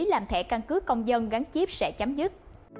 làm thẻ căn cứ công dân gắn chiếp sẽ chấm dứt